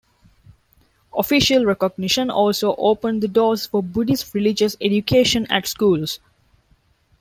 Official recognition also opened the doors for Buddhist religious education at schools.